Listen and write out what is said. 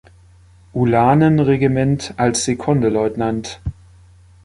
Ulanenregiment als Sekondeleutnant.